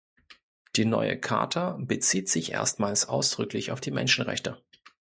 Die neue Charta bezieht sich erstmals ausdrücklich auf die Menschenrechte.